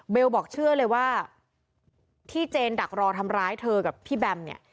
บอกเชื่อเลยว่าที่เจนดักรอทำร้ายเธอกับพี่แบมเนี่ย